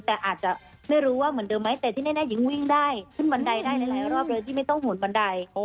แต่อาจจะไม่รู้ว่าเหมือนเดิมไหมแต่ที่แน่หญิงวิ่งได้ขึ้นบันไดได้หลายรอบโดยที่ไม่ต้องหุ่นบันได